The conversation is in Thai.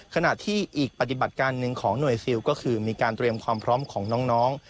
ขณะที่อีกปฏิบัติการหนึ่งของหน่วยซิลก็คือมีการเตรียมความพร้อมของน้อง